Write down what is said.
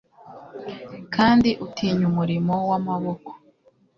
Kdi utinya umurimo wamaboko